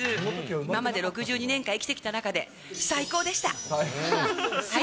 今まで６２年間生きてきた中で、最高でした。